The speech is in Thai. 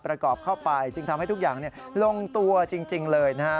ประกอบเข้าไปจึงทำให้ทุกอย่างลงตัวจริงเลยนะฮะ